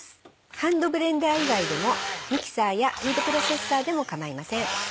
ハンドブレンダー以外でもミキサーやフードプロセッサーでも構いません。